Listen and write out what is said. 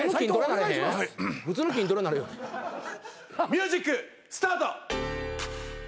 ミュージックスタート！